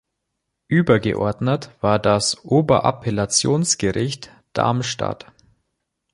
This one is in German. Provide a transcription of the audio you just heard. Übergeordnet war das Oberappellationsgericht Darmstadt.